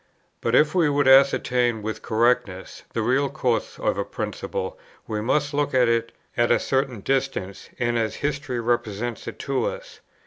But if we would ascertain with correctness the real course of a principle, we must look at it at a certain distance, and as history represents it to us.